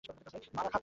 মারা খা তুই!